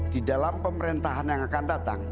di dalam pemerintahan yang akan datang